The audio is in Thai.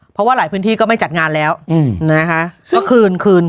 เพราะว่าหลายพื้นที่ก็ไม่จัดงานแล้วอืมนะคะเมื่อคืนคืน